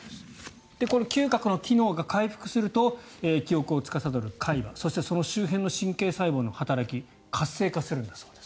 この嗅覚の機能が回復すると記憶をつかさどる海馬そしてその周辺の神経細胞の働き活性化するんだそうです。